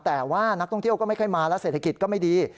แต่ว่านักท่องเที่ยวก็ไม่ค่อยมาแล้วเศรษฐกิจก็ไม่ดี